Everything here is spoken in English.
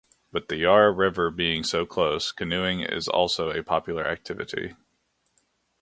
With the Yarra River being so close, canoeing is also a popular activity.